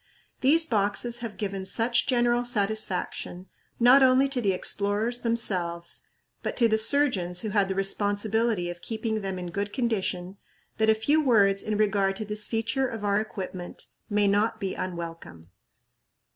These boxes have given such general satisfaction, not only to the explorers themselves, but to the surgeons who had the responsibility of keeping them in good condition, that a few words in regard to this feature of our equipment may not be unwelcome.